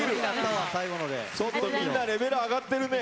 ちょっとみんなレベル上がってるね。